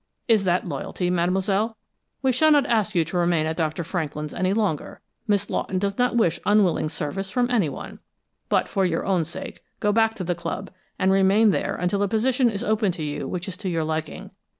Is that loyalty, mademoiselle? We shall not ask you to remain at Dr. Franklin's any longer; Miss Lawton does not wish unwilling service from anyone. But for your own sake, go back to the club, and remain there until a position is open to you which is to your liking.